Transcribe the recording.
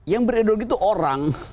yang berideologi itu orang